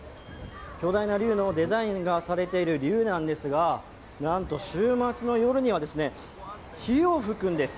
巨大な竜のデザインがされている竜なんですが、なんと週末の夜には火を吹くんです。